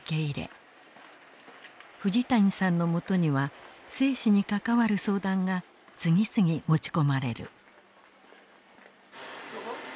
藤谷さんのもとには生死に関わる相談が次々持ち込まれる。